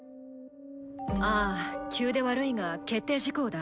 ああ急で悪いが決定事項だ。